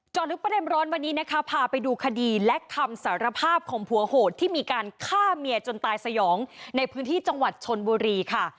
ลึกประเด็นร้อนวันนี้นะคะพาไปดูคดีและคำสารภาพของผัวโหดที่มีการฆ่าเมียจนตายสยองในพื้นที่จังหวัดชนบุรีค่ะ